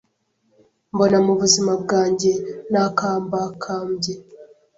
mbona mu buzima bwanjye, nakambakambye